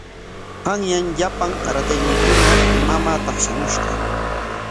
Qanyan llapan ratayniikuna mamaa taqshamushqa.